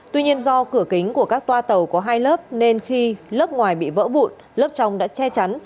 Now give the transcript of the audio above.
tuy nhiên do cửa kính của các toa tàu có hai lớp nên khi lớp ngoài bị vỡ vụn lớp trong đã che chắn